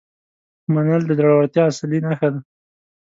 منل د زړورتیا اصلي نښه ده.